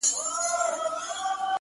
يارانو راټوليږی چي تعويذ ورڅخه واخلو”